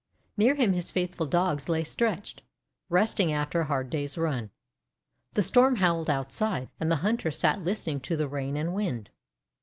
Near him his faithful Dogs lay stretched, resting after a hard day's run. The Storm howled outside, and the hunter sat listening to the Rain and Wind.